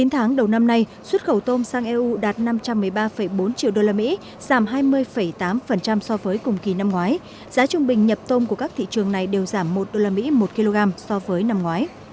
chín tháng đầu năm nay xuất khẩu tôm sang eu đạt năm trăm một mươi ba bốn triệu usd giảm hai mươi tám so với cùng kỳ năm ngoái giá trung bình nhập tôm của các thị trường này đều giảm một usd một kg so với năm ngoái